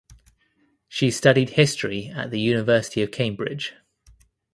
She studied history at the University of Cambridge.